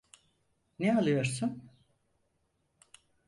Ne alıyorsun?